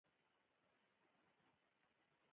په ارغنداو کې تر مازیګره مېله وکړه.